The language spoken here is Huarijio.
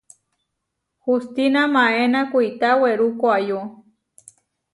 Hustína maéna kuitá werú koʼayó.